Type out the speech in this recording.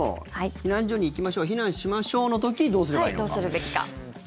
避難所に行きましょう避難しましょうの時どうすればいいのか。